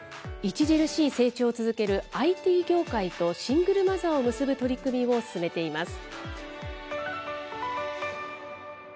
著しい成長を続けるＩＴ業界とシングルマザーを結ぶ取り組みを進めています。